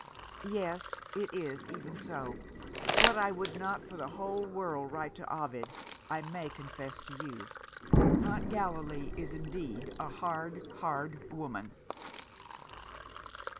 Yes! it is even so. What I would not for the whole world write to Ovid, I may confess to you. Aunt Gallilee is indeed a hard, hard woman.